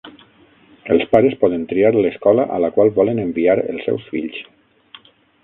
Els pares poden triar l'escola a la qual volen enviar els seus fills.